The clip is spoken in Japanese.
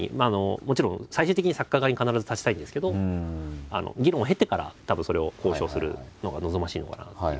もちろん最終的に作家側に必ず立ちたいんですけど議論を経てからたぶんそれを交渉するのが望ましいのかなという。